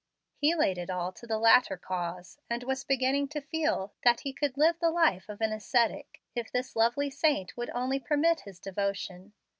He laid it all to the latter cause, and was beginning to feel that he could live the life of an ascetic, if this lovely saint would only permit his devotion.